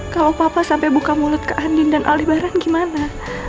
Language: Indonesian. kalau papa sampai buka mulut ke andin dan alibaran gimana